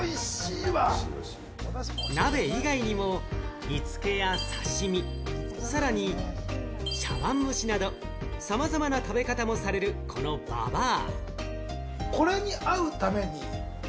鍋以外にも、煮つけや刺し身、さらに茶わん蒸しなど様々な食べ方もされる、このばばあ。